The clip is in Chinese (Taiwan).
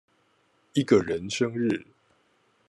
一個人生日